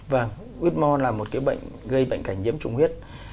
vâng whitmore là một cái bệnh gây bệnh cảnh nhiễm trùng huyết